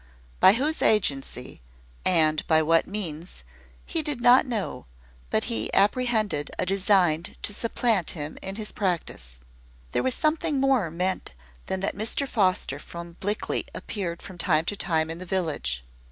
By whose agency, and by what means, he did not know, but he apprehended a design to supplant him in his practice. There was something more meant than that Mr Foster from Blickley appeared from time to time in the village.